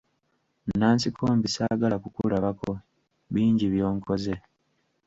Nansikombi saagala kukulabako, bingi by'onkoze!